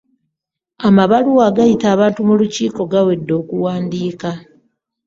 Amabaluwa agayita abantu mu lukiiko gawedde okuwandiika.